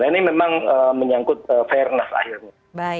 nah ini memang menyangkut fairness akhirnya